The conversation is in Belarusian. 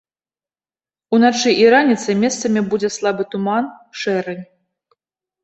Уначы і раніцай месцамі будзе слабы туман, шэрань.